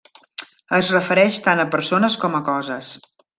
Es refereix tant a persones com a coses.